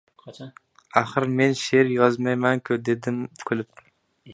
— Axir men she’r yozmayman-ku, — dedim kulib.